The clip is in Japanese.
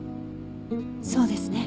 そうですね。